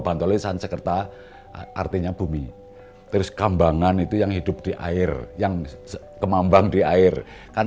bantolisan sekerta artinya bumi terus kambangan itu yang hidup di air yang kemambang di air kan